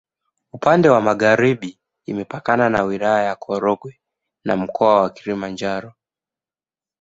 Upande wa magharibi imepakana na Wilaya ya Korogwe na Mkoa wa Kilimanjaro.